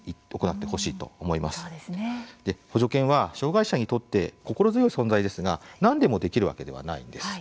補助犬は障害者にとって心強い存在ですが何でもできるわけではないんです。